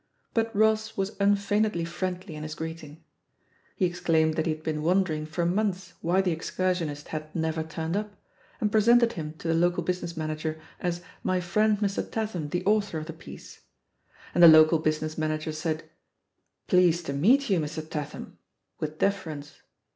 but Ross was unfeignedly friendly in his greeting. He exclaimed that he had been wondering for months why the excursionist had "never turned up," and presented him to the local business manager as "my friend, Mr. Tat ham, the author of the piece." And the local business manager said, "Pleased to meet you, Mr. Tatham," with deference.